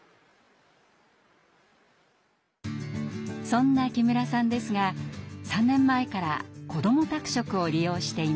そんな木村さんですが３年前からこども宅食を利用しています。